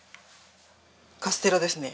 カステラですね。